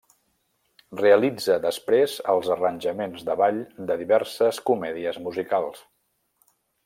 Realitza després els arranjaments de ball de diverses comèdies musicals.